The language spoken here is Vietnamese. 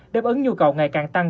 đáp ứng nhu cầu ngày càng tăng